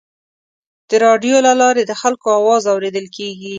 د راډیو له لارې د خلکو اواز اورېدل کېږي.